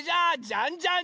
「じゃんじゃん！